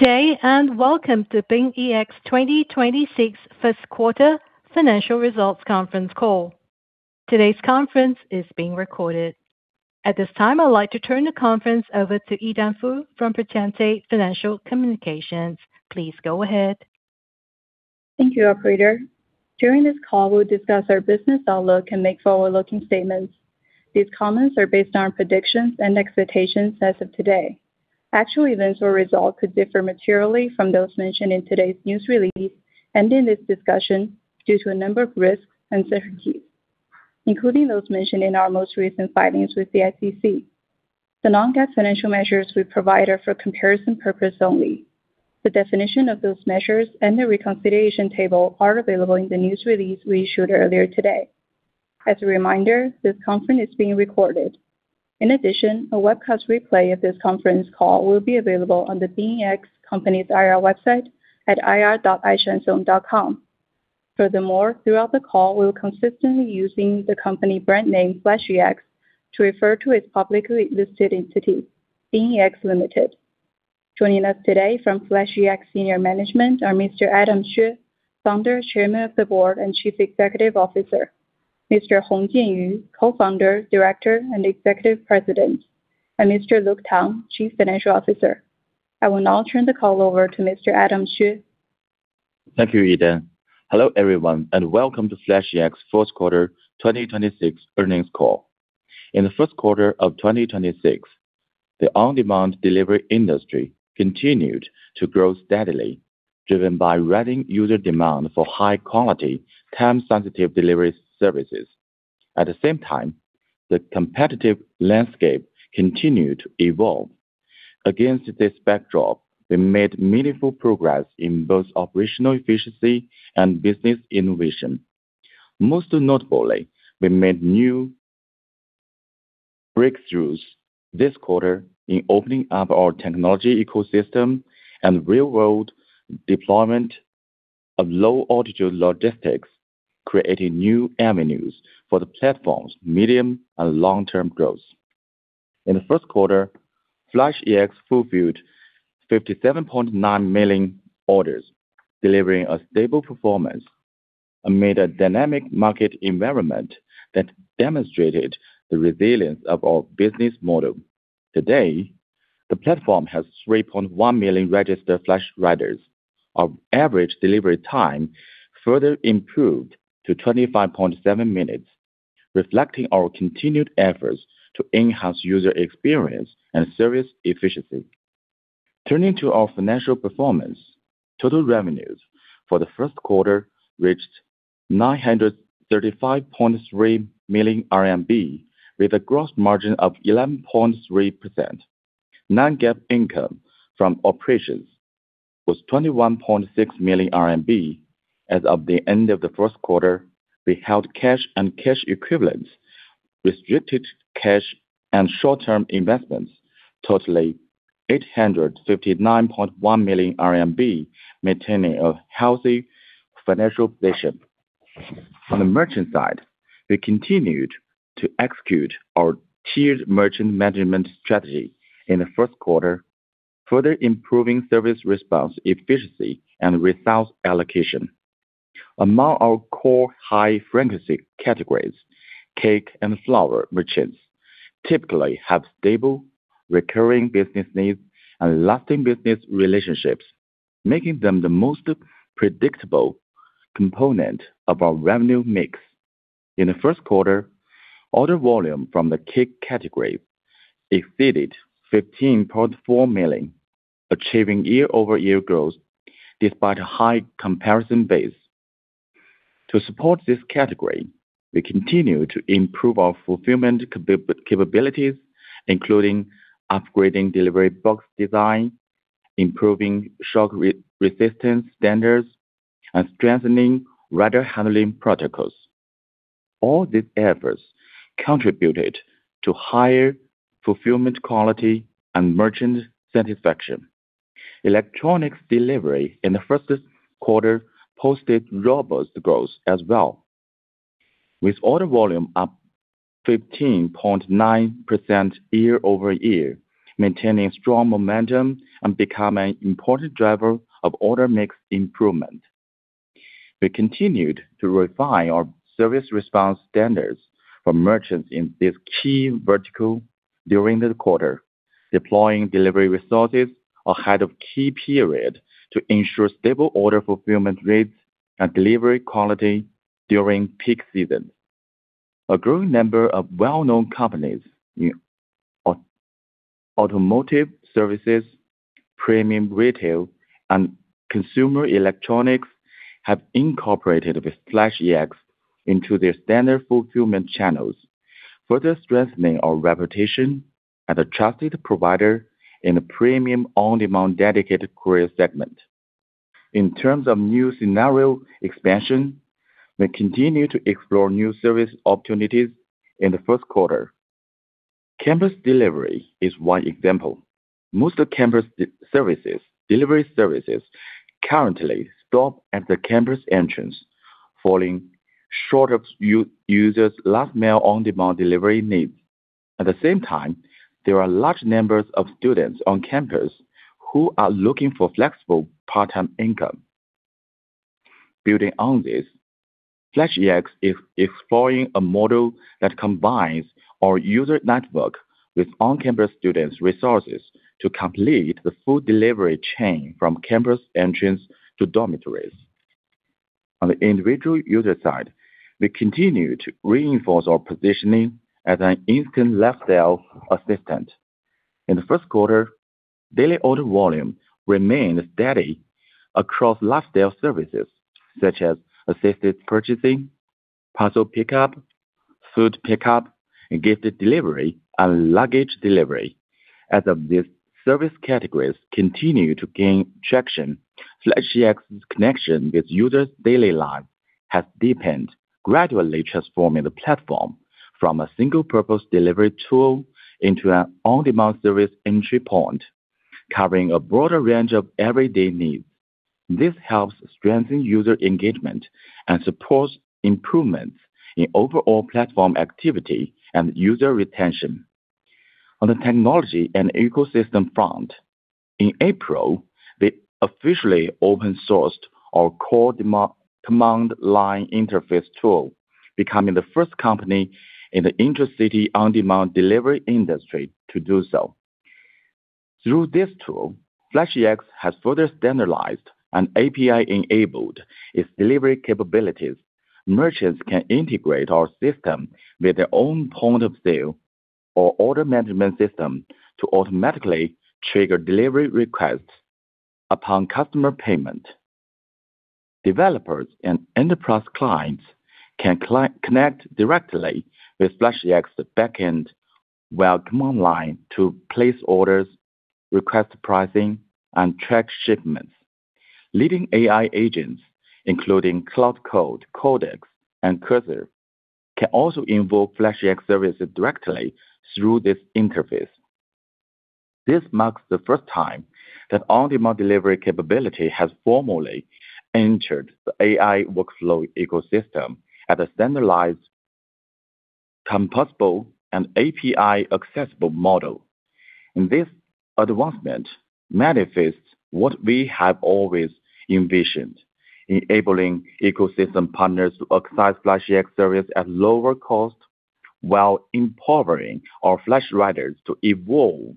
Good day, welcome to BingEx 2026 first quarter financial results conference call. Today's conference is being recorded. At this time, I'd like to turn the conference over to Yidan Fu from Piacente Financial Communications. Please go ahead. Thank you, operator. During this call, we'll discuss our business outlook and make forward-looking statements. These comments are based on predictions and expectations as of today. Actual events or results could differ materially from those mentioned in today's news release and in this discussion due to a number of risks and uncertainties, including those mentioned in our most recent filings with the SEC. The non-GAAP financial measures we provide are for comparison purpose only. The definition of those measures and the reconciliation table are available in the news release we issued earlier today. As a reminder, this conference is being recorded. In addition, a webcast replay of this conference call will be available on the BingEx company's IR website at ir.ishansong.com. Furthermore, throughout the call, we're consistently using the company brand name, FlashEx, to refer to its publicly listed entity, BingEx Limited. Joining us today from FlashEx senior management are Mr. Adam Xue, Founder, Chairman of the Board, and Chief Executive Officer. Mr. Hongjian Yu, Co-Founder, Director, and Executive President. Mr. Luke Tang, Chief Financial Officer. I will now turn the call over to Mr. Adam Xue. Thank you, Yidan. Hello, everyone, and welcome to FlashEx first quarter 2026 earnings call. In the first quarter of 2026, the on-demand delivery industry continued to grow steadily, driven by rising user demand for high-quality, time-sensitive delivery services. At the same time, the competitive landscape continued to evolve. Against this backdrop, we made meaningful progress in both operational efficiency and business innovation. Most notably, we made new breakthroughs this quarter in opening up our technology ecosystem and real-world deployment of low-altitude logistics, creating new avenues for the platform's medium and long-term growth. In the first quarter, FlashEx fulfilled 57.9 million orders, delivering a stable performance amid a dynamic market environment that demonstrated the resilience of our business model. Today, the platform has 3.1 million registered Flash-Riders. Our average delivery time further improved to 25.7 minutes, reflecting our continued efforts to enhance user experience and service efficiency. Turning to our financial performance, total revenues for the first quarter reached 935.3 million RMB, with a gross margin of 11.3%. Non-GAAP income from operations was 21.6 million RMB. As of the end of the first quarter, we held cash and cash equivalents, restricted cash, and short-term investments totaling 859.1 million RMB, maintaining a healthy financial position. On the merchant side, we continued to execute our tiered merchant management strategy in the first quarter, further improving service response efficiency and resource allocation. Among our core high-frequency categories, cake and flower merchants typically have stable, recurring business needs and lasting business relationships, making them the most predictable component of our revenue mix. In the first quarter, order volume from the cake category exceeded 15.4 million, achieving year-over-year growth despite a high comparison base. To support this category, we continue to improve our fulfillment capabilities, including upgrading delivery box design, improving shock resistance standards, and strengthening rider handling protocols. All these efforts contributed to higher fulfillment quality and merchant satisfaction. Electronics delivery in the first quarter posted robust growth as well, with order volume up 15.9% year-over-year, maintaining strong momentum and becoming an important driver of order mix improvement. We continued to refine our service response standards for merchants in this key vertical during the quarter, deploying delivery resources ahead of key periods to ensure stable order fulfillment rates and delivery quality during peak seasons. A growing number of well-known companies in automotive services, premium retail, and consumer electronics have incorporated with FlashEx into their standard fulfillment channels, further strengthening our reputation as a trusted provider in the premium on-demand dedicated courier segment. In terms of new scenario expansion, we continue to explore new service opportunities in the first quarter. Campus delivery is one example. Most campus delivery services currently stop at the campus entrance, falling short of users' last-mile on-demand delivery needs. At the same time, there are large numbers of students on campus who are looking for flexible part-time income. Building on this, FlashEx is exploring a model that combines our user network with on-campus students' resources to complete the full delivery chain from campus entrance to dormitories. On the individual user side, we continue to reinforce our positioning as an instant lifestyle assistant. In the first quarter, daily order volume remained steady across lifestyle services such as assisted purchasing, parcel pickup, food pickup, gift delivery, and luggage delivery. As of these service categories continue to gain traction, FlashEx connection with users' daily life has deepened, gradually transforming the platform from a single-purpose delivery tool into an on-demand service entry point, covering a broader range of everyday needs. This helps strengthen user engagement and supports improvements in overall platform activity and user retention. On the technology and ecosystem front, in April, we officially open-sourced our core command line interface tool, becoming the first company in the intra-city on-demand delivery industry to do so. Through this tool, FlashEx has further standardized and API-enabled its delivery capabilities. Merchants can integrate our system with their own point-of-sale or order management system to automatically trigger delivery requests upon customer payment. Developers and enterprise clients can connect directly with FlashEx backend via command line to place orders, request pricing, and track shipments. Leading AI agents, including Claude Code, Codex, and Cursor, can also invoke FlashEx services directly through this interface. This marks the first time that on-demand delivery capability has formally entered the AI workflow ecosystem at a standardized, composable, and API-accessible model. This advancement manifests what we have always envisioned, enabling ecosystem partners to access FlashEx service at lower cost while empowering our Flash-Riders to evolve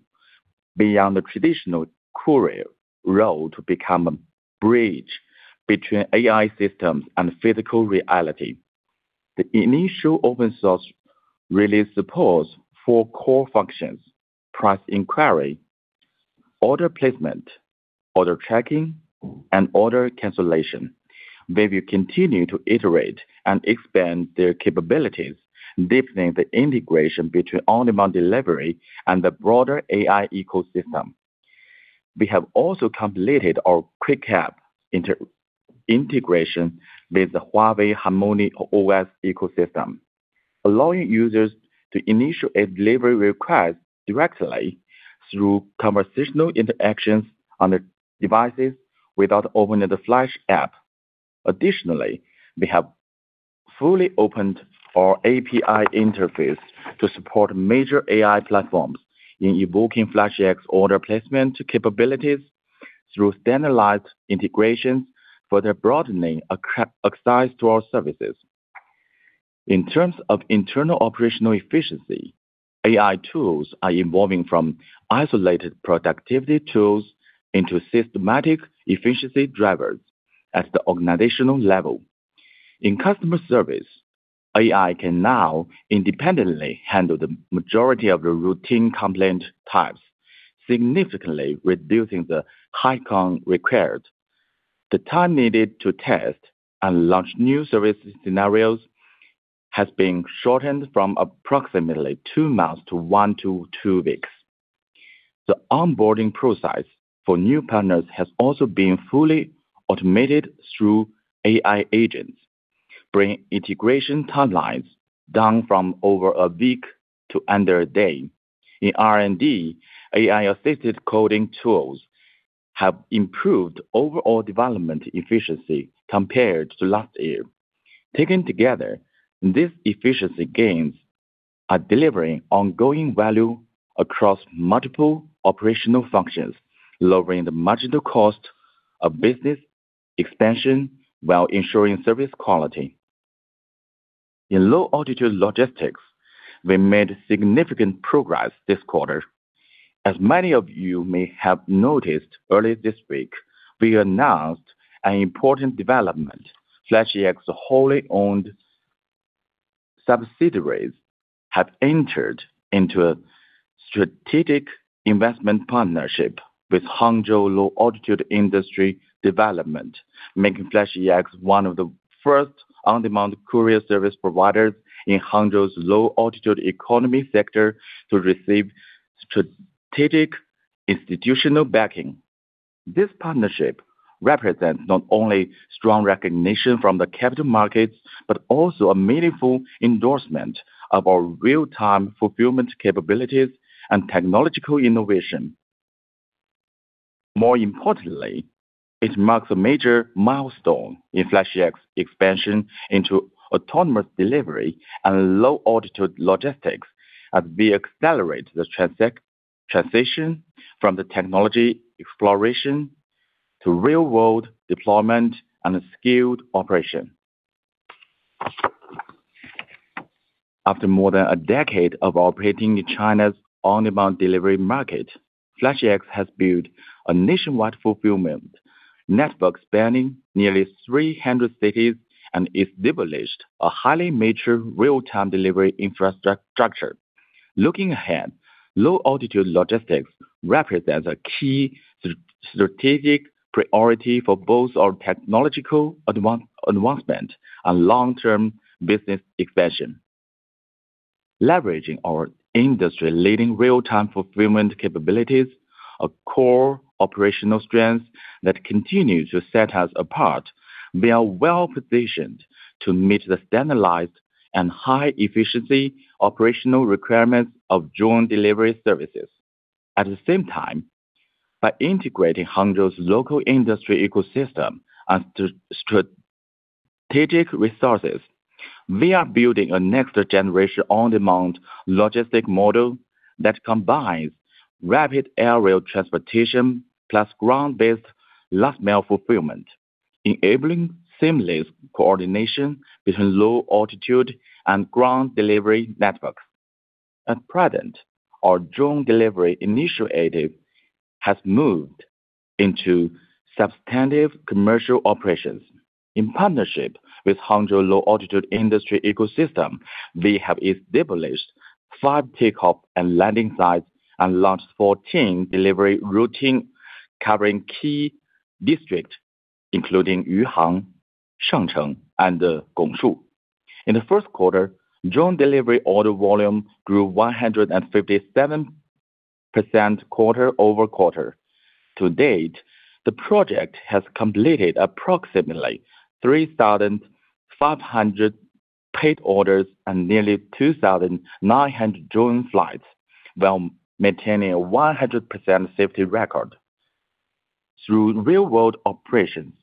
beyond the traditional courier role to become a bridge between AI systems and physical reality. The initial open source really supports four core functions, price inquiry, order placement, order tracking, and order cancellation. They will continue to iterate and expand their capabilities, deepening the integration between on-demand delivery and the broader AI ecosystem. We have also completed our quick app integration with the Huawei HarmonyOS ecosystem, allowing users to initiate delivery requests directly through conversational interactions on their devices without opening the FlashEx app. Additionally, we have fully opened our API interface to support major AI platforms in invoking FlashEx order placement capabilities through standardized integrations, further broadening access to our services. In terms of internal operational efficiency, AI tools are evolving from isolated productivity tools into systematic efficiency drivers at the organizational level. In customer service, AI can now independently handle the majority of the routine complaint types, significantly reducing the high contact required. The time needed to test and launch new service scenarios has been shortened from approximately two months to one to two weeks. The onboarding process for new partners has also been fully automated through AI agents, bringing integration timelines down from over a week to under a day. In R&D, AI-assisted coding tools have improved overall development efficiency compared to last year. Taken together, these efficiency gains are delivering ongoing value across multiple operational functions, lowering the marginal cost of business expansion while ensuring service quality. In low-altitude logistics, we made significant progress this quarter. As many of you may have noticed, earlier this week, we announced an important development. FlashEx wholly owned subsidiaries have entered into a strategic investment partnership with Hangzhou Low-Altitude Industry Development, making FlashEx one of the first on-demand courier service providers in Hangzhou’s low-altitude economy sector to receive strategic institutional backing. This partnership represents not only strong recognition from the capital markets, but also a meaningful endorsement of our real-time fulfillment capabilities and technological innovation. More importantly, it marks a major milestone in FlashEx expansion into autonomous delivery and low-altitude logistics as we accelerate the transition from the technology exploration to real-world deployment and skilled operation. After more than a decade of operating in China's on-demand delivery market, FlashEx has built a nationwide fulfillment network spanning nearly 300 cities and established a highly mature real-time delivery infrastructure. Looking ahead, low-altitude logistics represents a key strategic priority for both our technological advancement and long-term business expansion. Leveraging our industry-leading real-time fulfillment capabilities, a core operational strength that continue to set us apart, we are well-positioned to meet the standardized and high-efficiency operational requirements of drone delivery services. At the same time, by integrating Hangzhou's local industry ecosystem and strategic resources, we are building a next-generation on-demand logistics model that combines rapid aerial transportation plus ground-based last-mile fulfillment, enabling seamless coordination between low-altitude and ground delivery networks. At present, our drone delivery initiative has moved into substantive commercial operations. In partnership with Hangzhou Low-Altitude Industry Ecosystem, we have established five takeoff and landing sites and launched 14 delivery routing covering key districts including Yuhang, Shangcheng, and Gongshu. In the first quarter, drone delivery order volume grew 157% quarter-over-quarter. To date, the project has completed approximately 3,500 paid orders and nearly 2,900 drone flights while maintaining a 100% safety record. Through real-world operations,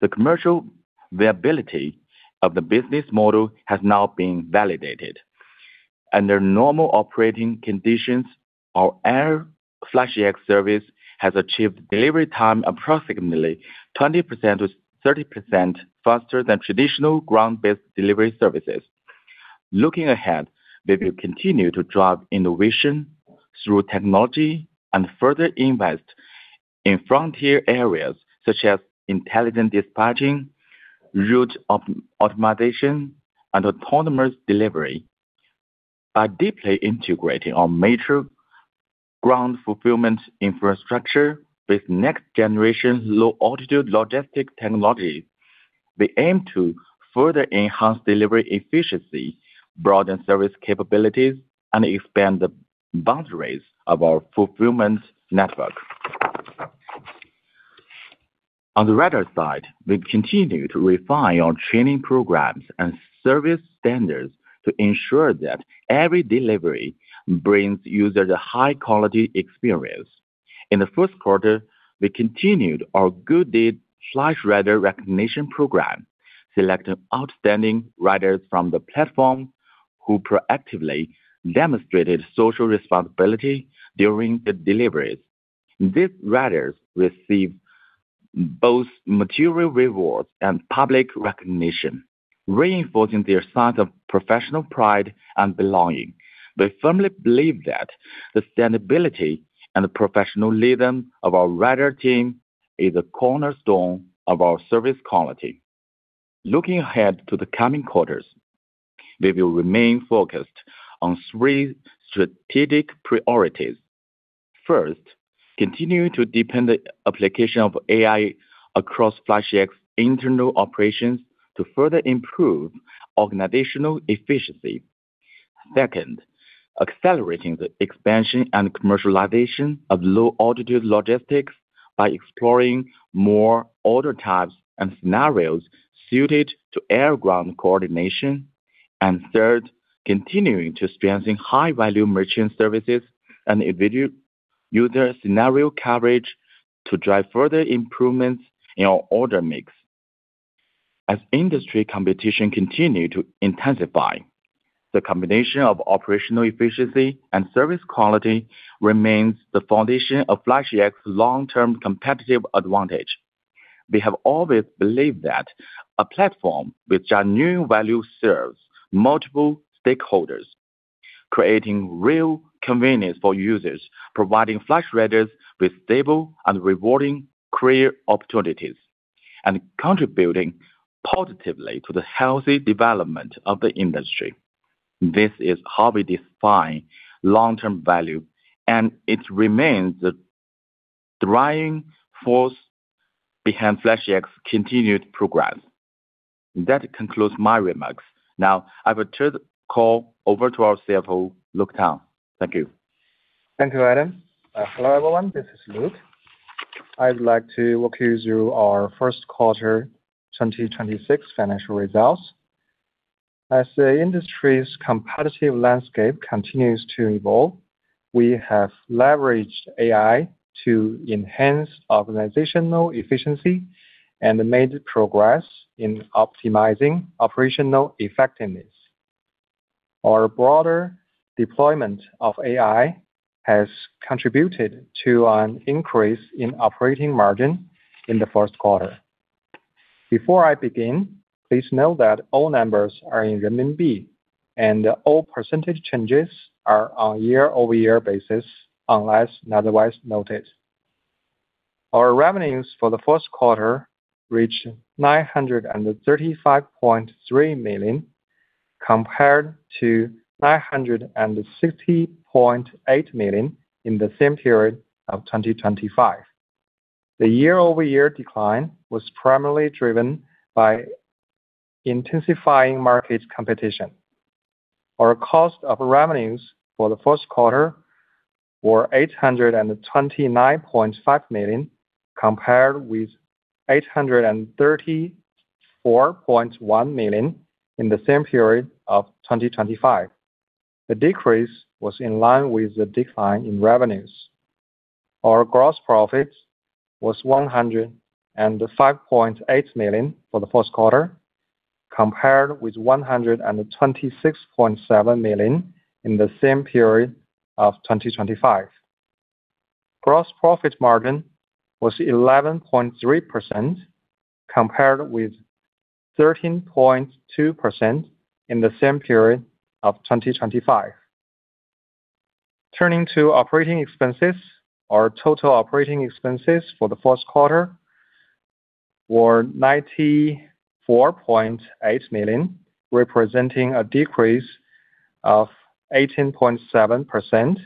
the commercial viability of the business model has now been validated. Under normal operating conditions, our Air FlashEx service has achieved delivery time approximately 20%-30% faster than traditional ground-based delivery services. Looking ahead, we will continue to drive innovation through technology and further invest in frontier areas such as intelligent dispatching, route optimization, and autonomous delivery. By deeply integrating our major ground fulfillment infrastructure with next generation low-altitude logistics technologies, we aim to further enhance delivery efficiency, broaden service capabilities, and expand the boundaries of our fulfillment network. On the rider side, we've continued to refine our training programs and service standards to ensure that every delivery brings users a high-quality experience. In the first quarter, we continued our Good Deed Flash Rider Recognition Program, selecting outstanding riders from the platform who proactively demonstrated social responsibility during the deliveries. These riders received both material rewards and public recognition, reinforcing their sense of professional pride and belonging. We firmly believe that the sustainability and professionalism of our rider team is a cornerstone of our service quality. Looking ahead to the coming quarters, we will remain focused on three strategic priorities. First, continue to deepen the application of AI across FlashEx internal operations to further improve organizational efficiency. Second, accelerating the expansion and commercialization of low-altitude logistics by exploring more order types and scenarios suited to air-ground coordination. Third, continuing to strengthen high-value merchant services and user scenario coverage to drive further improvements in our order mix. As industry competition continue to intensify, the combination of operational efficiency and service quality remains the foundation of FlashEx' long-term competitive advantage. We have always believed that a platform with genuine value serves multiple stakeholders, creating real convenience for users, providing Flash-Riders with stable and rewarding career opportunities, and contributing positively to the healthy development of the industry. This is how we define long-term value, and it remains the driving force behind FlashEx' continued progress. That concludes my remarks. Now, I will turn the call over to our CFO, Luke Tang. Thank you. Thank you, Adam. Hello, everyone. This is Luke. I would like to walk you through our first quarter 2026 financial results. As the industry's competitive landscape continues to evolve, we have leveraged AI to enhance organizational efficiency and made progress in optimizing operational effectiveness. Our broader deployment of AI has contributed to an increase in operating margin in the first quarter. Before I begin, please note that all numbers are in renminbi, and all percentage changes are on year-over-year basis, unless otherwise noted. Our revenues for the first quarter reached 935.3 million, compared to 960.8 million in the same period of 2025. The year-over-year decline was primarily driven by intensifying market competition. Our cost of revenues for the first quarter were 829.5 million, compared with 834.1 million in the same period of 2025. The decrease was in line with the decline in revenues. Our gross profit was 105.8 million for the first quarter, compared with 126.7 million in the same period of 2025. Gross profit margin was 11.3%, compared with 13.2% in the same period of 2025. Turning to operating expenses. Our total operating expenses for the first quarter were 94.8 million, representing a decrease of 18.7%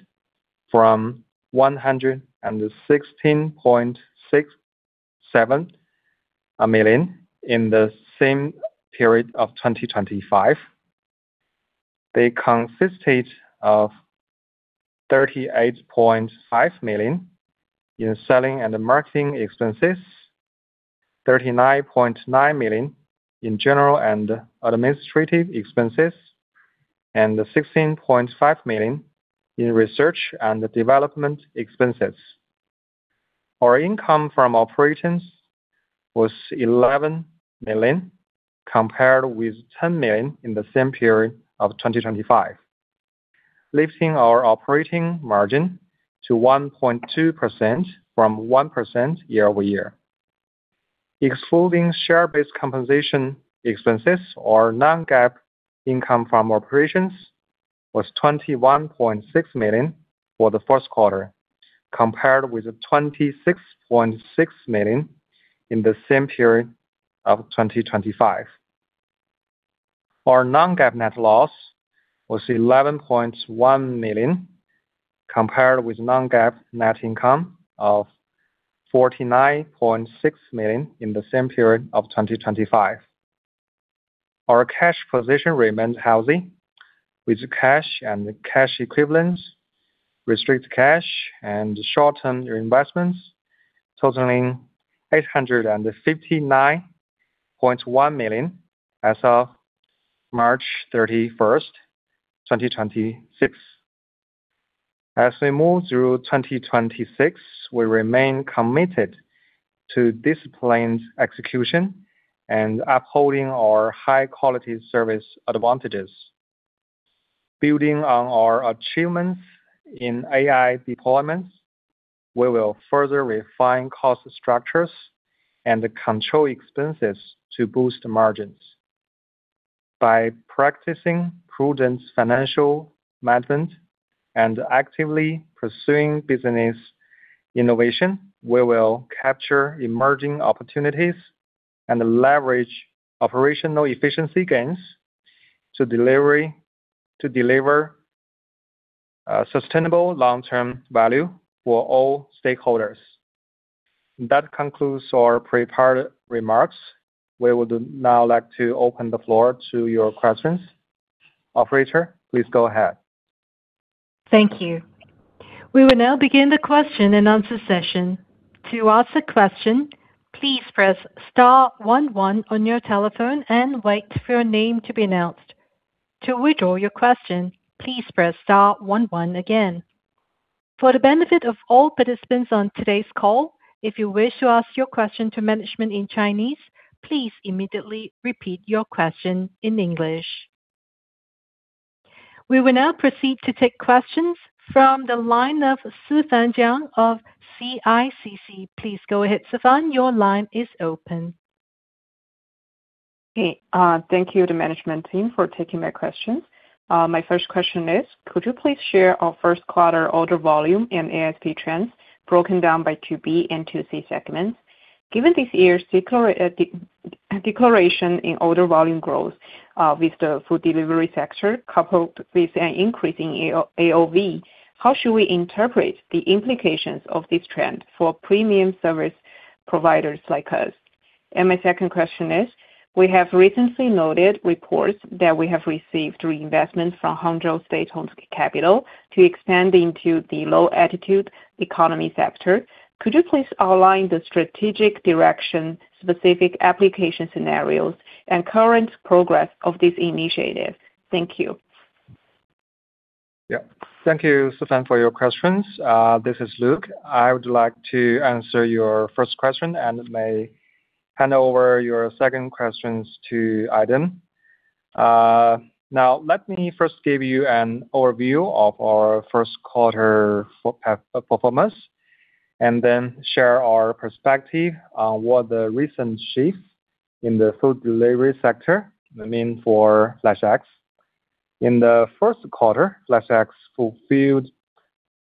from 116.67 million in the same period of 2025. They consisted of 38.5 million in selling and marketing expenses, 39.9 million in general and administrative expenses, and 16.5 million in research and development expenses. Our income from operations was 11 million, compared with 10 million in the same period of 2025, lifting our operating margin to 1.2% from 1% year-over-year. Excluding share-based compensation expenses our non-GAAP income from operations was 21.6 million for the first quarter, compared with 26.6 million in the same period of 2025. Our non-GAAP net loss was 11.1 million, compared with non-GAAP net income of 49.6 million in the same period of 2025. Our cash position remains healthy, with cash and cash equivalents, restricted cash and short-term investments totaling 859.1 million as of March 31st, 2026. As we move through 2026, we remain committed to disciplined execution and upholding our high-quality service advantages. Building on our achievements in AI deployments, we will further refine cost structures and control expenses to boost margins. By practicing prudent financial management and actively pursuing business innovation, we will capture emerging opportunities and leverage operational efficiency gains to deliver sustainable long-term value for all stakeholders. That concludes our prepared remarks. We would now like to open the floor to your questions. Operator, please go ahead. Thank you. We will now begin the question-and-answer session. To ask a question, please press star one one on your telephone and wait for your name to be announced. To withdraw your question, please press star one one again. For the benefit of all participants on today's call, if you wish to ask your question to management in Chinese, please immediately repeat your question in English. We will now proceed to take questions from the line of Sifan Jiang of CICC. Please go ahead. Sifan, your line is open. Okay. Thank you to management team for taking my questions. My first question is could you please share our first quarter order volume and ASP trends broken down by 2B and 2C segments? Given this year's deceleration in order volume growth with the food delivery sector, coupled with an increase in AOV, how should we interpret the implications of this trend for premium service providers like us? My second question is we have recently noted reports that we have received reinvestments from Hangzhou State Capital to expand into the low-altitude economy sector. Could you please outline the strategic direction, specific application scenarios, and current progress of this initiative? Thank you. Thank you, Sifan, for your questions. This is Luke. I would like to answer your first question and may hand over your second questions to Adam. Let me first give you an overview of our first quarter performance and then share our perspective on what the recent shift in the food delivery sector may mean for FlashEx. In the first quarter, FlashEx fulfilled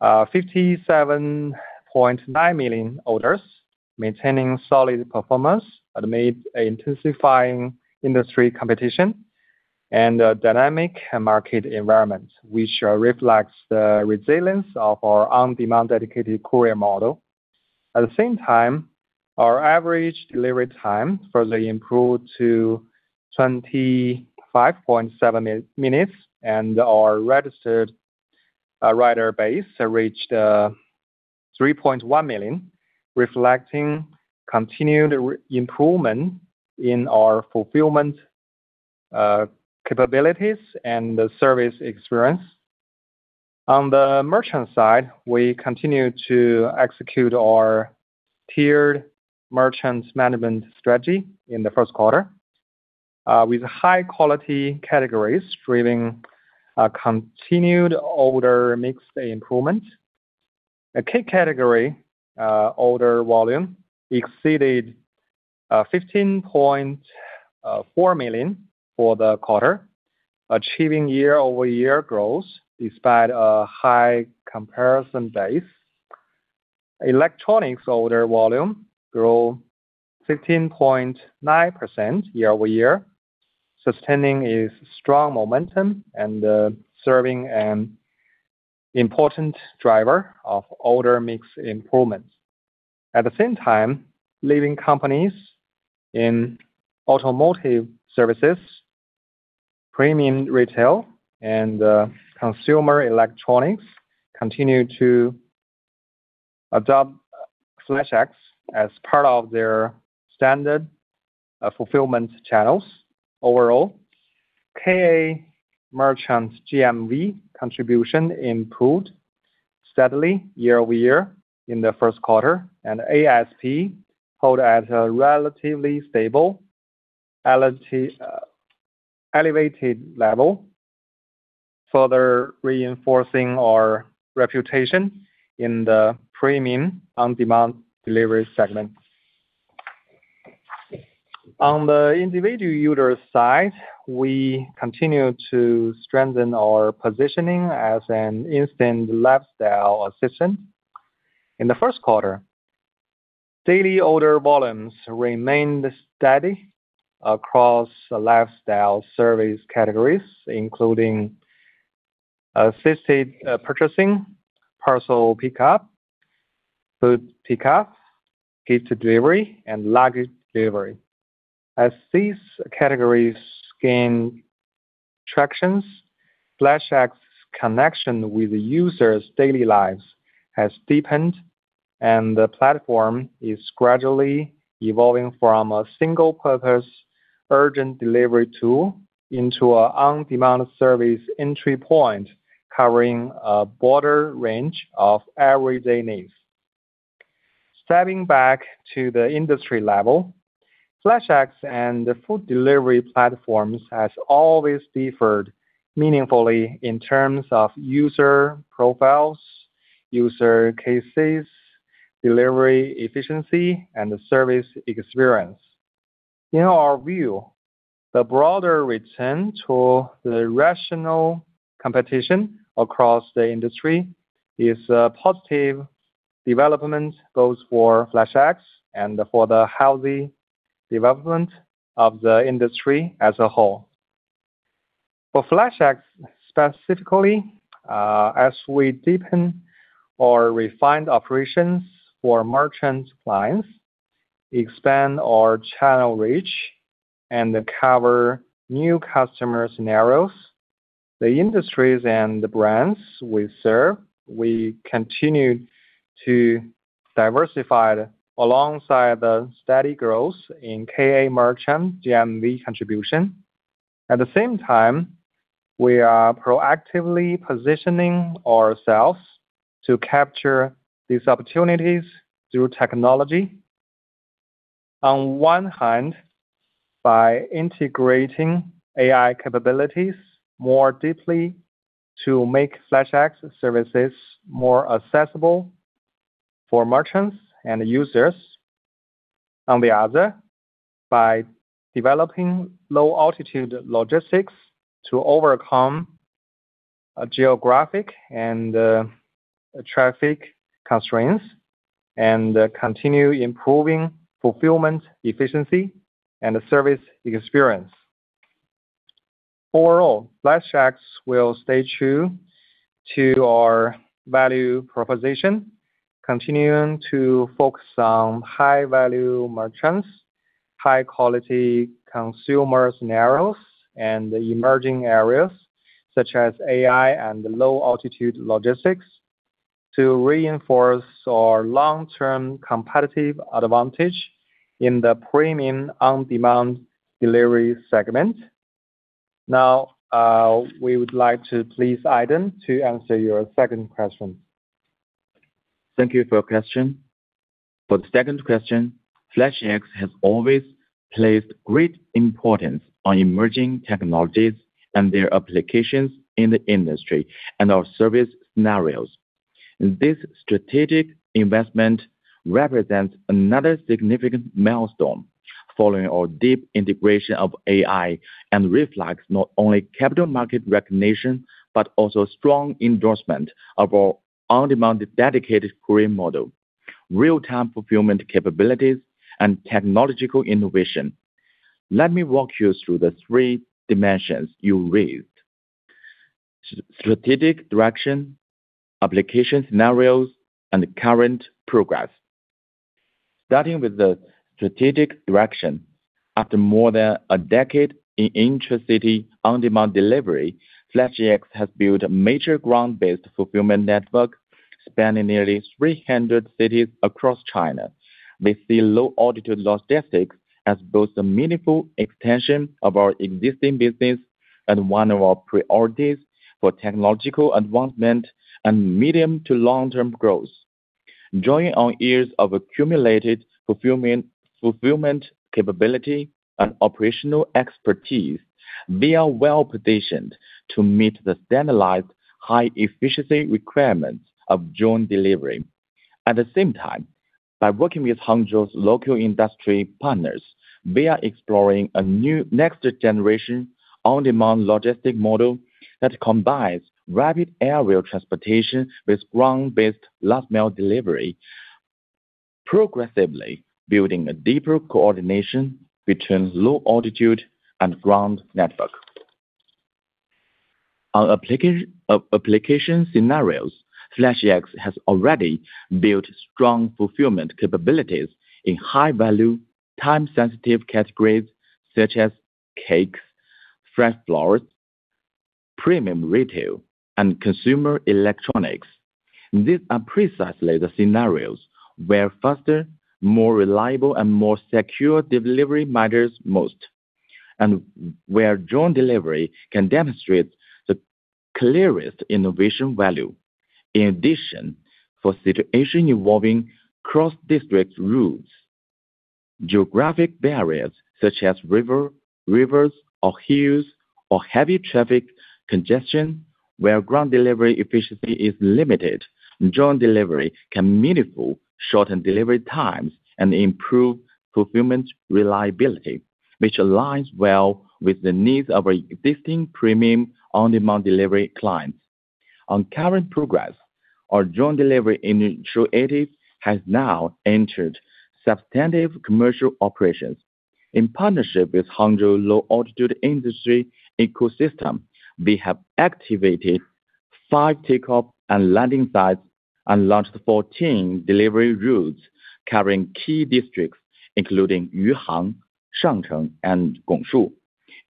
57.9 million orders, maintaining solid performance amid intensifying industry competition and a dynamic market environment, which reflects the resilience of our on-demand dedicated courier model. At the same time, our average delivery time further improved to 25.7 minutes and our registered rider base reached 3.1 million, reflecting continued improvement in our fulfillment capabilities and the service experience. On the merchant side, we continued to execute our tiered merchants management strategy in the first quarter, with high-quality categories driving a continued order mix improvement. A key category order volume exceeded 15.4 million for the quarter, achieving year-over-year growth despite a high comparison base. Electronics order volume grew 15.9% year-over-year, sustaining its strong momentum and serving an important driver of order mix improvements. At the same time, leading companies in automotive services, premium retail, and consumer electronics continue to adopt FlashEx as part of their standard fulfillment channels. Overall, KA merchants GMV contribution improved steadily year-over-year in the first quarter, and ASP held at a relatively stable, elevated level, further reinforcing our reputation in the premium on-demand delivery segment. On the individual user side, we continued to strengthen our positioning as an instant lifestyle assistant. In the first quarter, daily order volumes remained steady across lifestyle service categories, including assisted purchasing, parcel pickup, food pickup, gift delivery, and luggage delivery. As these categories gain traction, FlashEx's connection with users' daily lives has deepened, and the platform is gradually evolving from a single-purpose urgent delivery tool into an on-demand service entry point, covering a broader range of everyday needs. Stepping back to the industry level, FlashEx and the food delivery platforms has always differed meaningfully in terms of user profiles, user cases, delivery efficiency, and the service experience. In our view, the broader return to the rational competition across the industry is a positive development, both for FlashEx and for the healthy development of the industry as a whole. For FlashEx specifically, as we deepen our refined operations for merchant clients, expand our channel reach, and cover new customer scenarios, the industries and the brands we serve, we continue to diversify alongside the steady growth in KA merchant GMV contribution. At the same time, we are proactively positioning ourselves to capture these opportunities through technology. On one hand, by integrating AI capabilities more deeply to make FlashEx services more accessible for merchants and users. On the other, by developing low-altitude logistics to overcome geographic and traffic constraints, and continue improving fulfillment efficiency and the service experience. Overall, FlashEx will stay true to our value proposition, continuing to focus on high-value merchants, high-quality consumer scenarios, and emerging areas such as AI and low-altitude logistics to reinforce our long-term competitive advantage in the premium on-demand delivery segment. Now, we would like to please Adam to answer your second question. Thank you for your question. For the second question, FlashEx has always placed great importance on emerging technologies and their applications in the industry and our service scenarios. This strategic investment represents another significant milestone following our deep integration of AI, and reflects not only capital market recognition, but also strong endorsement of our on-demand dedicated growth model, real-time fulfillment capabilities, and technological innovation. Let me walk you through the three dimensions you raised: Strategic direction, application scenarios, and current progress. Starting with the strategic direction, after more than a decade in intracity on-demand delivery, FlashEx has built a major ground-based fulfillment network spanning nearly 300 cities across China. We see low-altitude logistics as both a meaningful extension of our existing business and one of our priorities for technological advancement and medium to long-term growth. Drawing on years of accumulated fulfillment capability and operational expertise, we are well-positioned to meet the standardized high-efficiency requirements of drone delivery. At the same time, by working with Hangzhou's local industry partners, we are exploring a next generation on-demand logistics model that combines rapid aerial transportation with ground-based last-mile delivery, progressively building a deeper coordination between low altitude and ground network. On application scenarios, FlashEx has already built strong fulfillment capabilities in high-value, time-sensitive categories such as cakes, fresh flowers, premium retail, and consumer electronics. These are precisely the scenarios where faster, more reliable, and more secure delivery matters most, and where drone delivery can demonstrate the clearest innovation value. In addition, for situations involving cross-district routes, geographic barriers such as rivers or hills or heavy traffic congestion where ground delivery efficiency is limited, drone delivery can meaningfully shorten delivery times and improve fulfillment reliability, which aligns well with the needs of our existing premium on-demand delivery clients. On current progress, our drone delivery initiative has now entered substantive commercial operations. In partnership with Hangzhou Low-Altitude Industry Ecosystem, we have activated five takeoff and landing sites and launched 14 delivery routes covering key districts including Yuhang, Shangcheng, and Gongshu.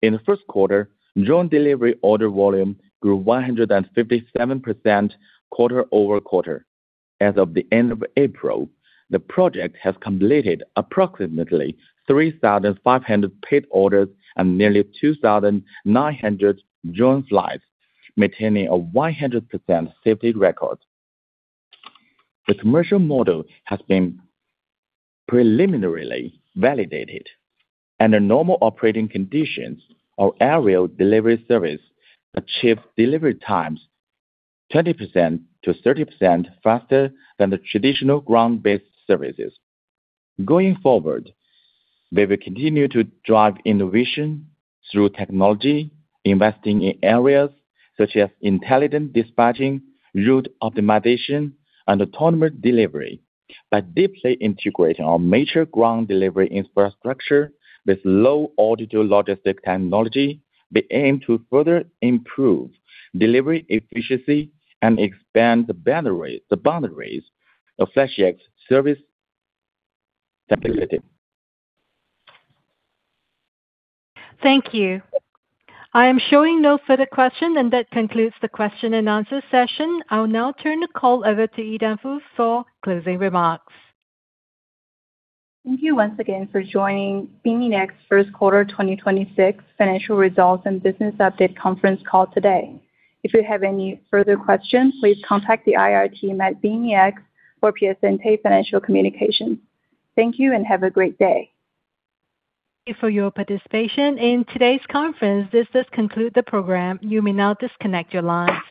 In the first quarter, drone delivery order volume grew 157% quarter-over-quarter. As of the end of April, the project has completed approximately 3,500 paid orders and nearly 2,900 drone flights, maintaining a 100% safety record. The commercial model has been preliminarily validated. Under normal operating conditions, our aerial delivery service achieves delivery times 20%-30% faster than the traditional ground-based services. Going forward, we will continue to drive innovation through technology, investing in areas such as intelligent dispatching, route optimization, and autonomous delivery. By deeply integrating our major ground delivery infrastructure with low-altitude logistics technology, we aim to further improve delivery efficiency and expand the boundaries of FlashEx service capability. Thank you. I am showing no further questions, and that concludes the question and answer session. I will now turn the call over to Yidan Fu for closing remarks. Thank you once again for joining BingEx first quarter 2026 financial results and business update conference call today. If you have any further questions, please contact the IR team at BingEx or Piacente Financial Communications. Thank you and have a great day. Thank you for your participation in today's conference. This does conclude the program. You may now disconnect your lines.